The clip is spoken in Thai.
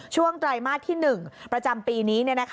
ไตรมาสที่๑ประจำปีนี้